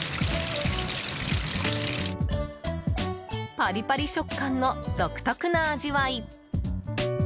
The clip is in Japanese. パリパリ食感の独特な味わい。